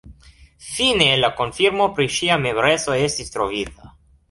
Fine la konfirmo pri ŝia membreco estis trovita.